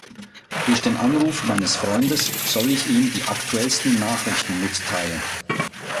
Durch den Anruf meines Freundes soll ich ihm die aktuellsten Nachrichten mitteilen.